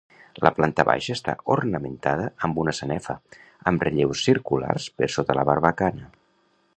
La planta baixa està ornamentada amb una sanefa amb relleus circulars per sota la barbacana.